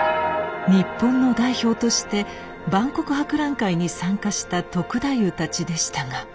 日本の代表として万国博覧会に参加した篤太夫たちでしたが。